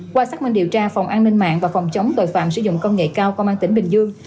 qua xác minh điều tra phòng an ninh mạng và phòng chống tội phạm sử dụng công nghệ cao công an tỉnh bình dương